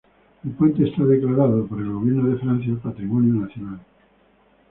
El puente está declarado por el gobierno de Francia patrimonio nacional.